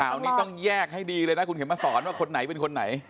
นี้ต้องแยกให้ดีเลยนะคุณเข็มมาสอนว่าคนไหนเป็นคนไหน